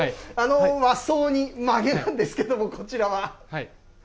和装にまげなんですけども、こちらは？